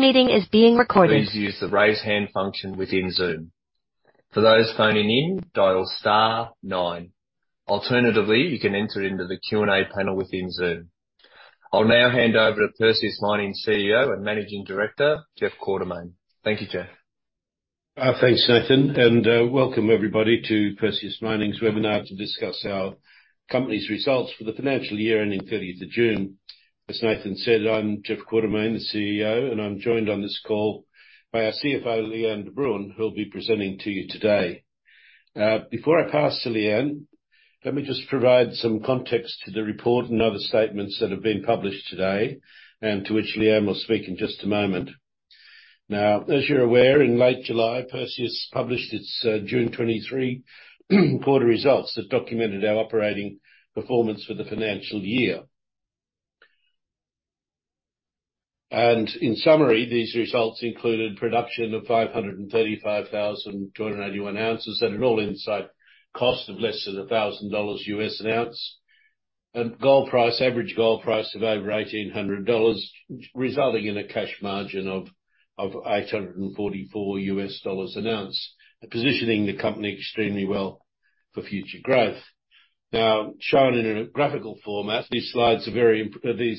Please use the Raise Hand function within Zoom. For those phoning in, dial star nine. Alternatively, you can enter into the Q&A panel within Zoom. I'll now hand over to Perseus Mining's CEO and Managing Director, Jeff Quartermaine. Thank you, Jeff. Thanks, Nathan, and welcome everybody to Perseus Mining's webinar to discuss our company's results for the financial year ending 30th of June. As Nathan said, I'm Jeff Quartermaine, the CEO, and I'm joined on this call by our CFO, Lee-Anne de Bruin, who will be presenting to you today. Before I pass to Lee-Anne, let me just provide some context to the report and other statements that have been published today, and to which Lee-Anne will speak in just a moment. Now, as you're aware, in late July, Perseus published its June 2023 quarter results that documented our operating performance for the financial year. In summary, these results included production of 535,281 ounces at an all-in site cost of less than $1,000 an ounce, and average gold price of over $1,800, resulting in a cash margin of $844 an ounce, positioning the company extremely well for future growth. Now, these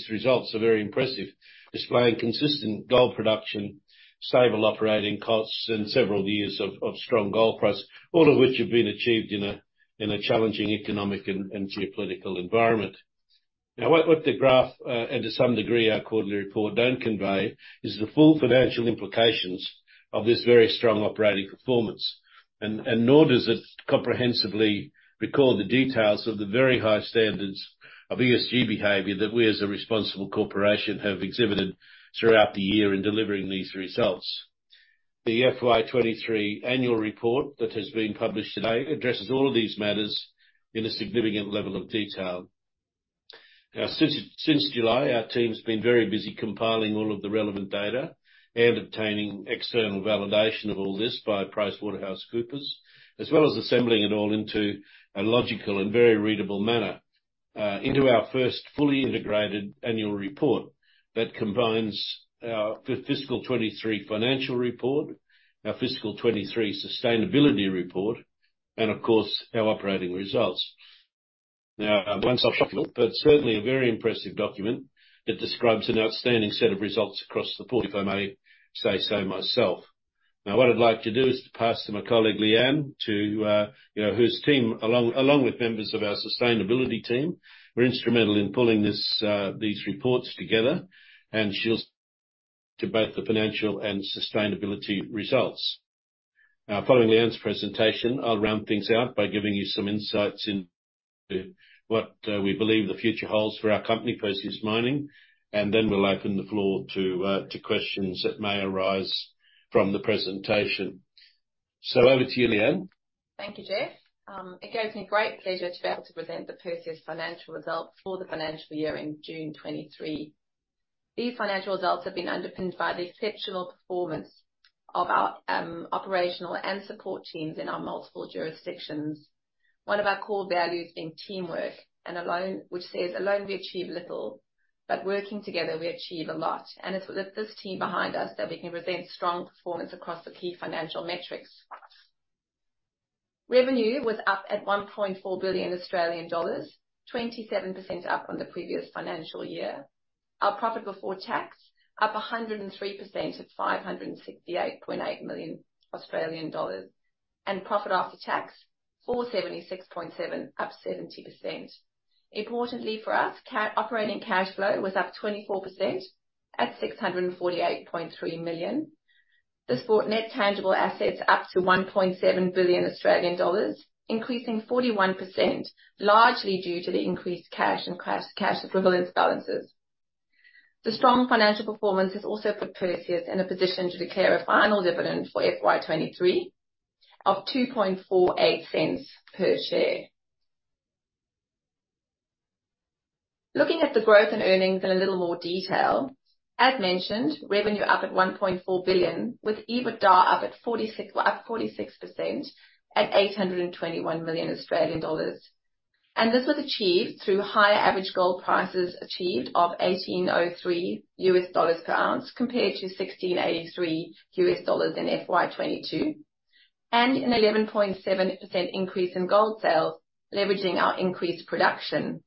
results are very impressive, displaying consistent gold production, stable operating costs, and several years of strong gold price. All of which have been achieved in a challenging economic and geopolitical environment. Now, what the graph and to some degree, our quarterly report don't convey, is the full financial implications of this very strong operating performance. Nor does it comprehensively record the details of the very high standards of ESG behavior that we, as a responsible corporation, have exhibited throughout the year in delivering these results. The FY 2023 annual report that has been published today addresses all of these matters in a significant level of detail. Now, since July, our team's been very busy compiling all of the relevant data and obtaining external validation of all this by PricewaterhouseCoopers, as well as assembling it all into a logical and very readable manner into our first fully integrated annual report that combines our fiscal 2023 financial report, our fiscal 2023 sustainability report, and of course, our operating results. Now, an optional, but certainly a very impressive document that describes an outstanding set of results across the board, if I may say so myself. Now, what I'd like to do is to pass to my colleague, Lee-Anne, to, you know, whose team, along with members of our sustainability team, were instrumental in pulling this, these reports together, and she'll to both the financial and sustainability results. Now, following Lee-Anne's presentation, I'll round things out by giving you some insights into what, we believe the future holds for our company, Perseus Mining, and then we'll open the floor to, to questions that may arise from the presentation. So over to you, Lee-Anne. Thank you, Jeff. It gives me great pleasure to be able to present the Perseus financial results for the financial year ending June 2023. These financial results have been underpinned by the exceptional performance of our operational and support teams in our multiple jurisdictions. One of our core values being teamwork, and alone, which says, "Alone we achieve little, but working together we achieve a lot." And it's with this team behind us, that we can present strong performance across the key financial metrics. Revenue was up at 1.4 billion Australian dollars, 27% up from the previous financial year. Our profit before tax, up 103% at 568.8 million Australian dollars. And profit after tax, 476.7, up 70%. Importantly for us, operating cash flow was up 24% at 648.3 million. This brought Net Tangible Assets up to 1.7 billion Australian dollars, increasing 41%, largely due to the increased cash and cash equivalents balances. The strong financial performance has also put Perseus in a position to declare a final dividend for FY 2023 of AUD 0.0248 per share. Looking at the growth and earnings in a little more detail, as mentioned, revenue up at 1.4 billion, with EBITDA up 46% at 821 million Australian dollars. And this was achieved through higher average gold prices achieved of $1,803 per ounce, compared to $1,683 in FY 2022, and an 11.7% increase in gold sales, leveraging our increased production.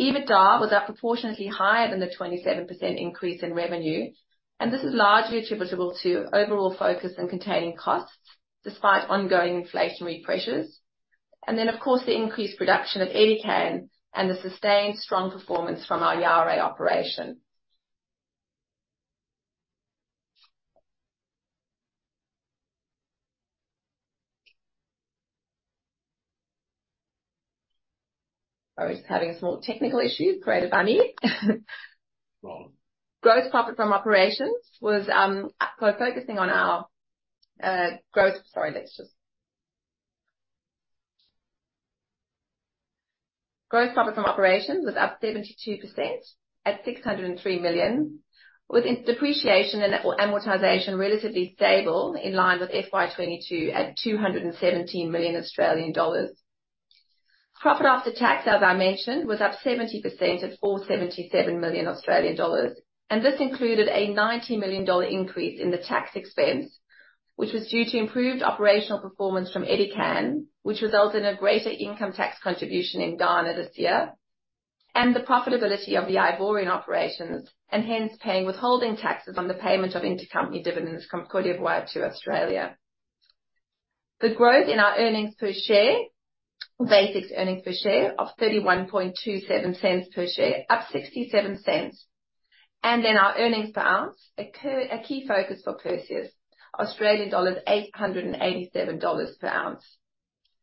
EBITDA was up proportionately higher than the 27% increase in revenue, and this is largely attributable to overall focus in containing costs despite ongoing inflationary pressures. And then, of course, the increased production at Edikan and the sustained strong performance from our Yaouré operation. We're just having a small technical issue created by me. Gross profit from operations was up 72% at 603 million, with its depreciation and amortization relatively stable, in line with FY 2022 at 217 million Australian dollars. Profit after tax, as I mentioned, was up 70% at 177 million Australian dollars, and this included a 90 million dollar increase in the tax expense, which was due to improved operational performance from Edikan, which resulted in a greater income tax contribution in Ghana this year, and the profitability of the Ivorian operations, and hence paying withholding taxes on the payment of intercompany dividends from Côte d'Ivoire to Australia. The growth in our earnings per share, basic earnings per share, of 0.3127 per share, up 0.67. Then our earnings per ounce, a key focus for Perseus, Australian dollars 887 per ounce.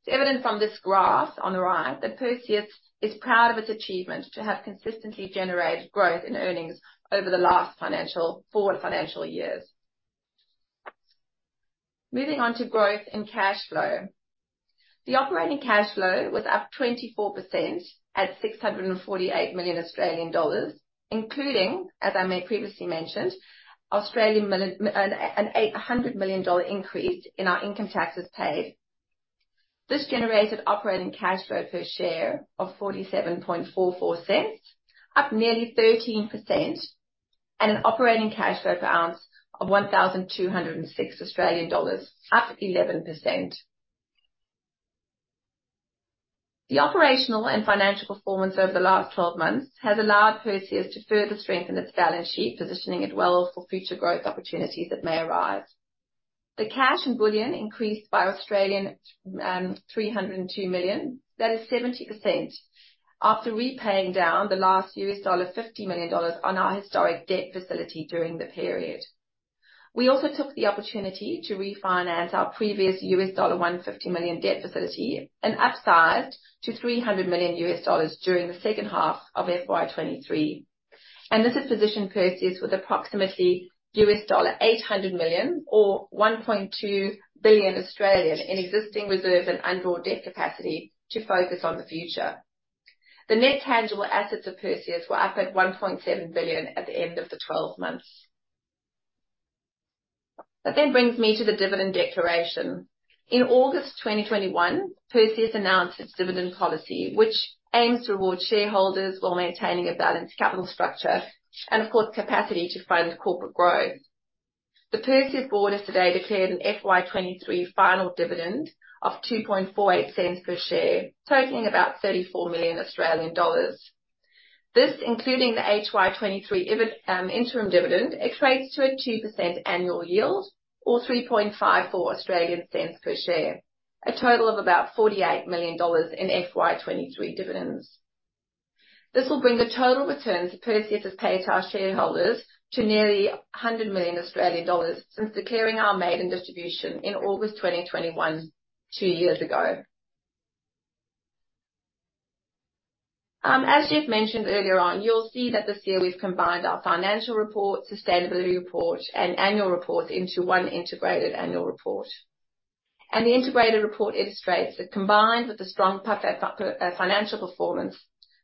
It's evident from this graph on the right, that Perseus is proud of its achievement to have consistently generated growth in earnings over the last four financial years. Moving on to growth and cash flow. The operating cash flow was up 24% at 648 million Australian dollars, including, as I previously mentioned, a 100 million dollar increase in our income taxes paid. This generated operating cash flow per share of 0.4744, up nearly 13%, and an operating cash flow per ounce of 1,206 Australian dollars, up 11%. The operational and financial performance over the last twelve months has allowed Perseus to further strengthen its balance sheet, positioning it well for future growth opportunities that may arise. The cash and bullion increased by 302 million. That is 70%. After repaying down the last $50 million on our historic debt facility during the period. We also took the opportunity to refinance our previous $150 million debt facility, and upsized to $300 million during the second half of FY 2023. And this has positioned Perseus with approximately $800 million or 1.2 billion in existing reserve and undrawn debt capacity to focus on the future. The Net Tangible Assets of Perseus were up at 1.7 billion at the end of the twelve months. That then brings me to the dividend declaration. In August 2021, Perseus announced its dividend policy, which aims to reward shareholders while maintaining a balanced capital structure and, of course, capacity to fund corporate growth. The Perseus board has today declared an FY 2023 final dividend of 0.0248 per share, totaling about 34 million Australian dollars. This, including the HY 2023 interim dividend, equates to a 2% annual yield, or 0.0354 per share. A total of about AUD 48 million in FY 2023 dividends. This will bring the total returns to Perseus has paid to our shareholders to nearly 100 million Australian dollars since declaring our maiden distribution in August 2021, two years ago. As Jeff mentioned earlier on, you'll see that this year we've combined our financial report, sustainability report, and annual report into one integrated annual report. The integrated report illustrates that combined with the strong financial performance,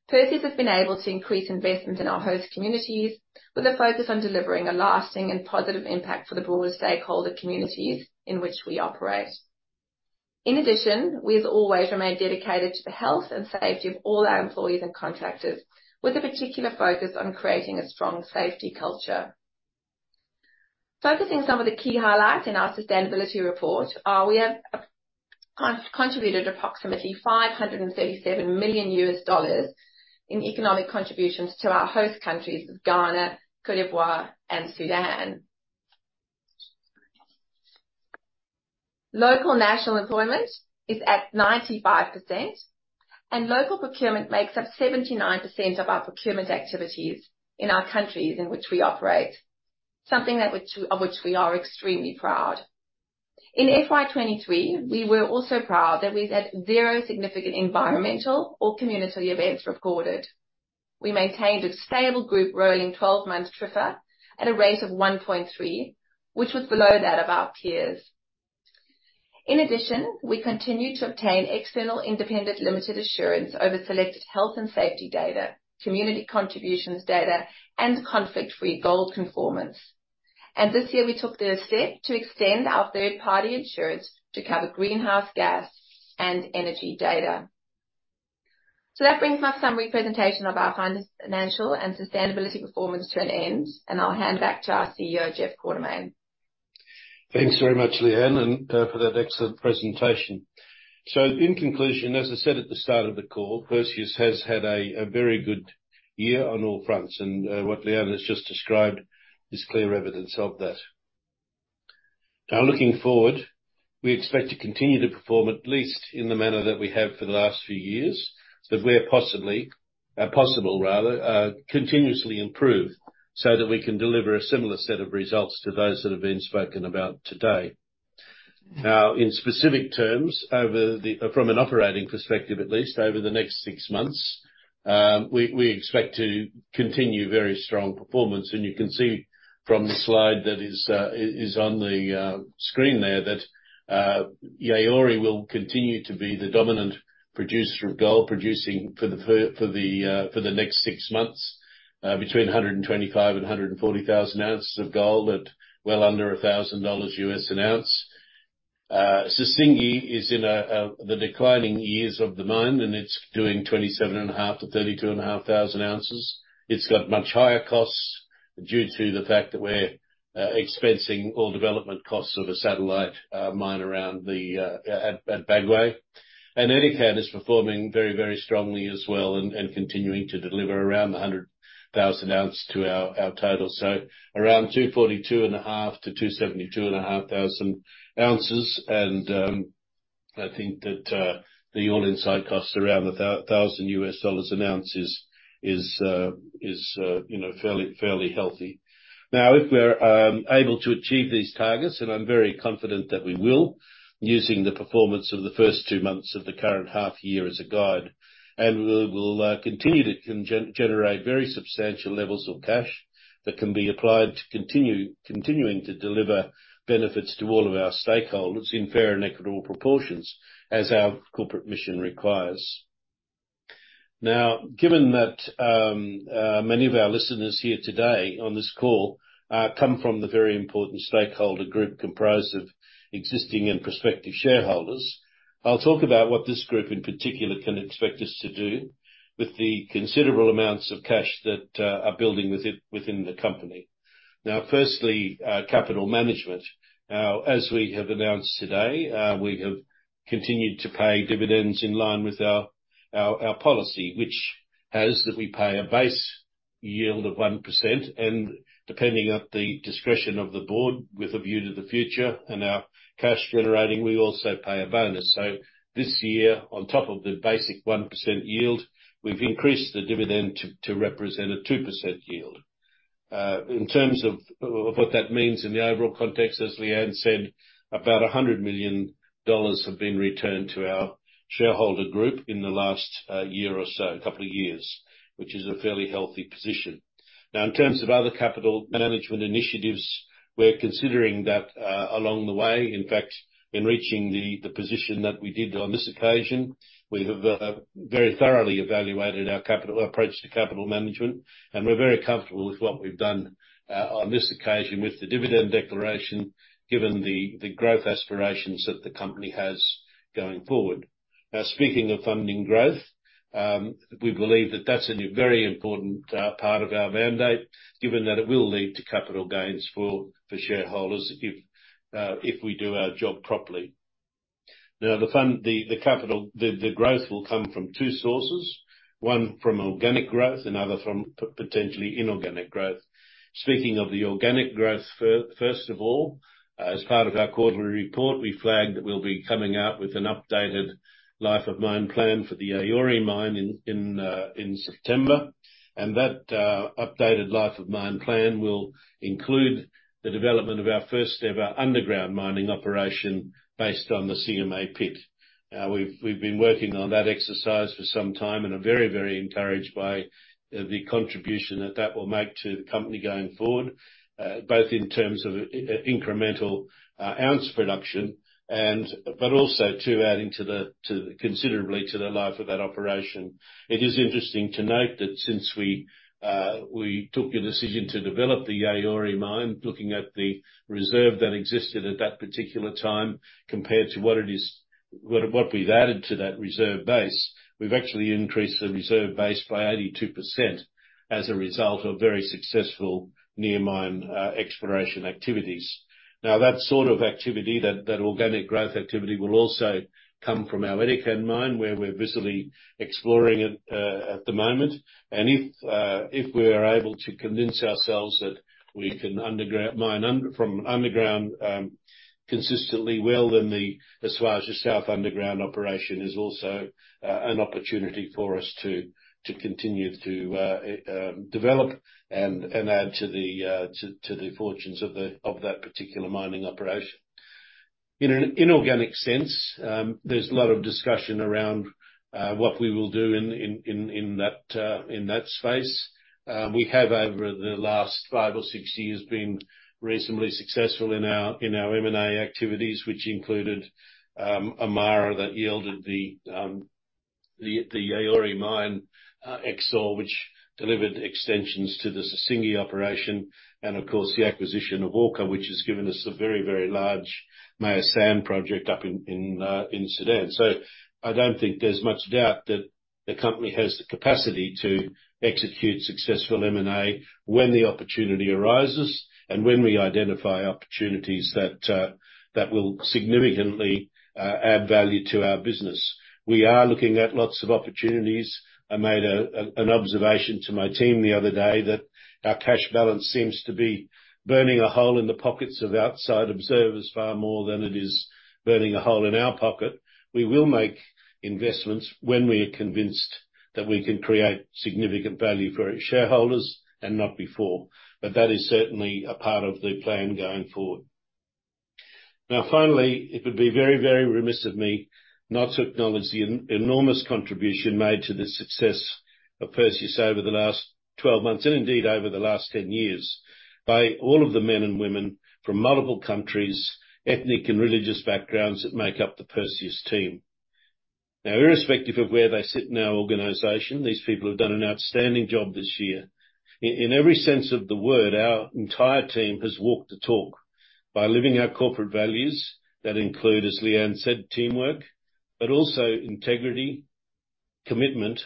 Perseus has been able to increase investment in our host communities, with a focus on delivering a lasting and positive impact for the broader stakeholder communities in which we operate. In addition, we have always remained dedicated to the health and safety of all our employees and contractors, with a particular focus on creating a strong safety culture. Focusing some of the key highlights in our sustainability report are, we have contributed approximately $537 million in economic contributions to our host countries of Ghana, Côte d'Ivoire, and Sudan. Local national employment is at 95%, and local procurement makes up 79% of our procurement activities in our countries in which we operate, something that which, of which we are extremely proud. In FY 2023, we were also proud that we've had zero significant environmental or community events recorded. We maintained a stable group rolling 12-month TRIFR at a rate of 1.3, which was below that of our peers. In addition, we continued to obtain external, independent, limited assurance over select health and safety data, community contributions data, and conflict-free gold conformance. And this year, we took the step to extend our third-party insurance to cover greenhouse gas and energy data. So that brings my summary presentation of our financial and sustainability performance to an end, and I'll hand back to our CEO, Jeff Quartermaine. Thanks very much, Lee-Anne, and for that excellent presentation. So in conclusion, as I said at the start of the call, Perseus has had a very good year on all fronts, and what Lee-Anne has just described is clear evidence of that. Now, looking forward, we expect to continue to perform, at least in the manner that we have for the last few years, but we are possibly, possible rather, continuously improve so that we can deliver a similar set of results to those that have been spoken about today. Now, in specific terms, from an operating perspective, at least over the next six months, we expect to continue very strong performance. You can see from the slide that is on the screen there, that Yaouré will continue to be the dominant producer of gold, producing for the next six months, between 125,000 and 140,000 ounces of gold at well under $1,000 an ounce. Sissingué is in the declining years of the mine, and it's doing 27.5-32.5 thousand ounces. It's got much higher costs due to the fact that we're expensing all development costs of a satellite mine at Bagoe. Edikan is performing very, very strongly as well, and continuing to deliver around 100,000 ounces to our total. So around 242.5-272.5 thousand ounces. I think that the all-in site costs around $1,000 an ounce is you know fairly healthy. Now, if we're able to achieve these targets, and I'm very confident that we will, using the performance of the first two months of the current half year as a guide, and we'll continue to generate very substantial levels of cash that can be applied to continuing to deliver benefits to all of our stakeholders in fair and equitable proportions, as our corporate mission requires. Now, given that, many of our listeners here today on this call come from the very important stakeholder group comprised of existing and prospective shareholders, I'll talk about what this group, in particular, can expect us to do with the considerable amounts of cash that are building within the company. Now, firstly, capital management. Now, as we have announced today, we have continued to pay dividends in line with our policy, which is that we pay a base yield of 1%, and depending on the discretion of the board, with a view to the future and our cash generating, we also pay a bonus. So this year, on top of the basic 1% yield, we've increased the dividend to represent a 2% yield. In terms of what that means in the overall context, as Lee-Anne said, about $100 million have been returned to our shareholder group in the last year or so, couple of years, which is a fairly healthy position. Now, in terms of other capital management initiatives, we're considering that along the way, in fact, in reaching the position that we did on this occasion, we have very thoroughly evaluated our capital approach to capital management, and we're very comfortable with what we've done on this occasion with the dividend declaration, given the growth aspirations that the company has going forward. Now, speaking of funding growth, we believe that that's a very important part of our mandate, given that it will lead to capital gains for shareholders if we do our job properly. Now, the fund, the capital, the growth will come from two sources, one from organic growth and other from potentially inorganic growth. Speaking of the organic growth, first of all, as part of our quarterly report, we flagged that we'll be coming out with an updated Life of Mine Plan for the Yaouré mine in September. And that updated Life of Mine Plan will include the development of our first-ever underground mining operation based on the CMA pit. We've been working on that exercise for some time and are very, very encouraged by the contribution that that will make to the company going forward, both in terms of incremental ounce production and, but also to adding to the considerably to the life of that operation. It is interesting to note that since we took a decision to develop the Yaouré mine, looking at the reserve that existed at that particular time, compared to what it is, we've actually increased the reserve base by 82% as a result of very successful near-mine exploration activities. Now, that sort of activity, that organic growth activity, will also come from our Edikan mine, where we're busily exploring it at the moment. If we are able to convince ourselves that we can mine from underground consistently well, then the Esuajah South underground operation is also an opportunity for us to continue to develop and add to the fortunes of that particular mining operation. In an inorganic sense, there's a lot of discussion around what we will do in that space. We have, over the last five or six years, been reasonably successful in our M&A activities, which included Amara, that yielded the Yaouré mine, Exore, which delivered extensions to the Sissingué operation, and of course, the acquisition of Orca, which has given us a very, very large Meyas Sand project up in Sudan. So I don't think there's much doubt that the company has the capacity to execute successful M&A when the opportunity arises and when we identify opportunities that will significantly add value to our business. We are looking at lots of opportunities. I made an observation to my team the other day that our cash balance seems to be burning a hole in the pockets of outside observers, far more than it is burning a hole in our pocket. We will make investments when we are convinced that we can create significant value for our shareholders and not before, but that is certainly a part of the plan going forward. Now, finally, it would be very, very remiss of me not to acknowledge the enormous contribution made to the success of Perseus over the last 12 months, and indeed over the last 10 years, by all of the men and women from multiple countries, ethnic and religious backgrounds, that make up the Perseus team. Now, irrespective of where they sit in our organization, these people have done an outstanding job this year. In every sense of the word, our entire team has walked the talk by living our corporate values that include, as Lee-Anne said, teamwork, but also integrity, commitment,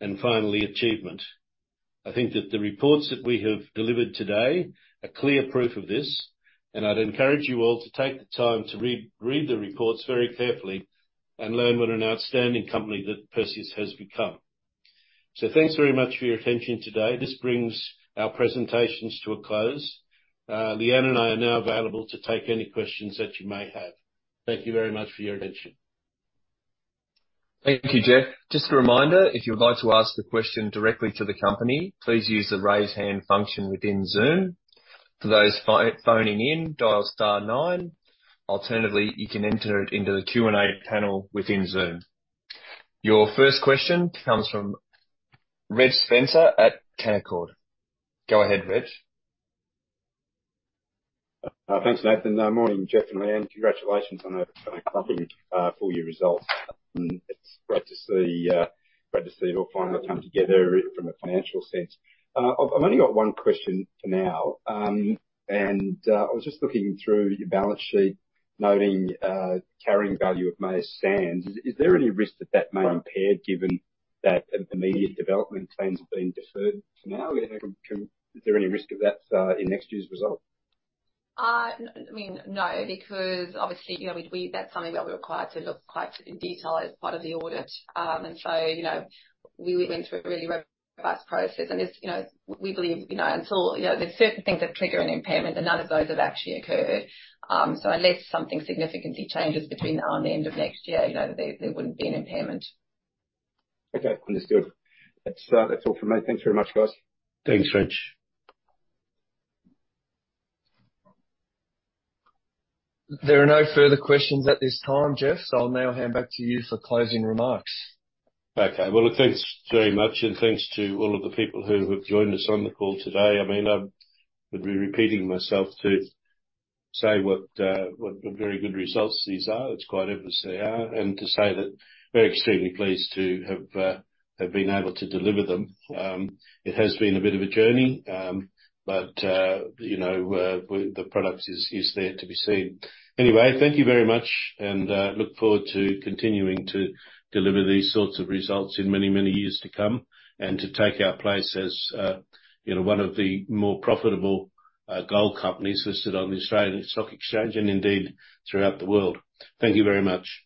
and finally, achievement. I think that the reports that we have delivered today are clear proof of this, and I'd encourage you all to take the time to read the reports very carefully and learn what an outstanding company that Perseus has become. So thanks very much for your attention today. This brings our presentations to a close. Lee-Anne and I are now available to take any questions that you may have. Thank you very much for your attention. Thank you, Jeff. Just a reminder, if you'd like to ask a question directly to the company, please use the Raise Hand function within Zoom. For those phoning in, dial star nine. Alternatively, you can enter it into the Q&A panel within Zoom. Your first question comes from Reg Spencer at Canaccord. Go ahead, Reg. Thanks, Nathan. Morning, Jeff and Lee-Anne. Congratulations on a cracking full-year results. It's great to see it all finally come together from a financial sense. I've only got one question for now. I was just looking through your balance sheet, noting carrying value of Meyas Sand. Is there any risk that that may impair, given that immediate development plans have been deferred for now? I mean, is there any risk of that in next year's result? I mean, no, because obviously, you know, we... That's something that we're required to look quite in detail as part of the audit. And so, you know, we went through a really robust process, and it's, you know, we believe, you know, until, you know, there's certain things that trigger an impairment, and none of those have actually occurred. So unless something significantly changes between now and the end of next year, you know, there wouldn't be an impairment. Okay, understood. That's, that's all for me. Thanks very much, guys. Thanks, Reg. There are no further questions at this time, Jeff, so I'll now hand back to you for closing remarks. Okay. Well, thanks very much, and thanks to all of the people who have joined us on the call today. I mean, I'd be repeating myself to say what, what very good results these are. It's quite obvious they are, and to say that we're extremely pleased to have have been able to deliver them. It has been a bit of a journey, but, you know, the product is there to be seen. Anyway, thank you very much, and look forward to continuing to deliver these sorts of results in many, many years to come, and to take our place as, you know, one of the more profitable, gold companies listed on the Australian Stock Exchange, and indeed, throughout the world. Thank you very much.